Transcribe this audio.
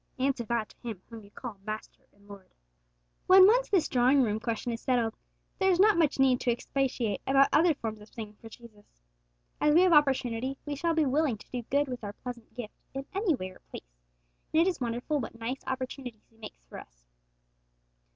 Answer that to Him whom you call Master and Lord. When once this drawing room question is settled, there is not much need to expatiate about other forms of singing for Jesus. As we have opportunity we shall be willing to do good with our pleasant gift in any way or place, and it is wonderful what nice opportunities He makes for us.